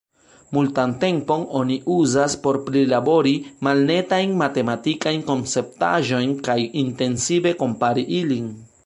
Multan tempon oni uzas por prilabori malnetajn matematikajn konceptaĵojn kaj intensive kompari ilin.